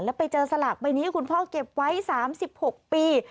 แล้วไปเจอสลากใบนี้คุณพ่อเก็บไว้๓๖ปี